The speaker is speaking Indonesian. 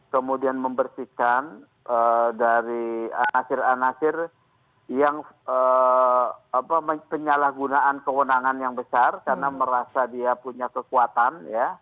kemudian membersihkan dari anasir anasir yang penyalahgunaan kewenangan yang besar karena merasa dia punya kekuatan